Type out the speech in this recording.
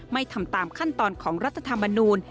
ไม่ทำตามขั้นตอนของรัฐธรรมนูล